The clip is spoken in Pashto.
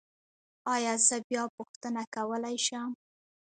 ایا زه بیا پوښتنه کولی شم؟